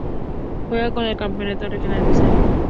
Juega en el campeonato regional de Sal.